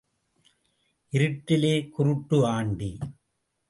இருட்டிலே குருட்டு ஆண்டி.